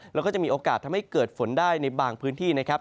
แล้วก็จะมีโอกาสทำให้เกิดฝนได้ในบางพื้นที่นะครับ